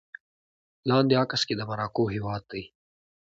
لاندې عکس کې د مراکو هېواد دی